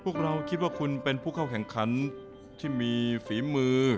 พวกเราคิดว่าคุณเป็นผู้เข้าแข่งขันที่มีฝีมือ